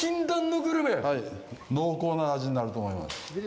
濃厚な味になると思います